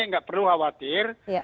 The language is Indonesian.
nggak perlu khawatir